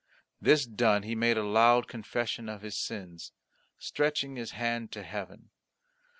This done he made a loud confession of his sins, stretching his hand to heaven.